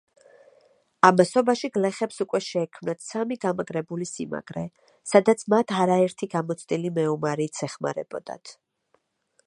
ამასობაში გლეხებს უკვე შეექმნათ სამი გამაგრებული სიმაგრე, სადაც მათ არაერთი გამოცდილი მეომარიც ეხმარებოდათ.